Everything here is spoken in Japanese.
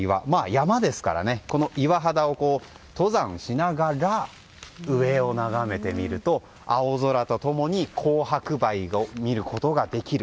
山ですからこの岩肌を登山しながら上を眺めてみると青空と共に紅白梅を見ることができる。